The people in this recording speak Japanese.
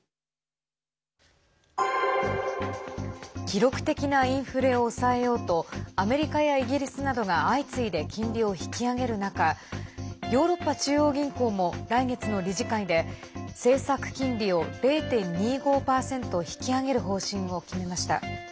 記録的なインフレを抑えようとアメリカやイギリスなどが相次いで金利を引き上げる中ヨーロッパ中央銀行も来月の理事会で政策金利を０．２５％引き上げる方針を決めました。